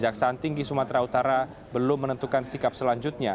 jaksaan tinggi sumatera utara belum menentukan sikap selanjutnya